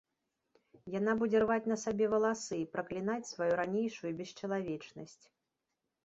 Яна будзе рваць на сабе валасы і праклінаць сваю ранейшую бесчалавечнасць.